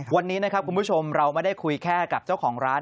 วันนี้นะครับคุณผู้ชมเราไม่ได้คุยแค่กับเจ้าของร้าน